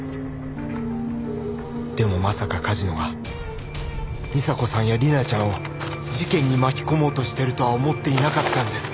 でもまさか梶野が美紗子さんや理奈ちゃんを事件に巻き込もうとしてるとは思っていなかったんです。